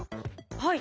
はい。